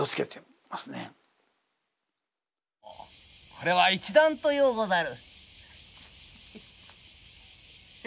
これは一段とようござる。